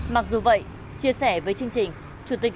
máy nghiền như thế này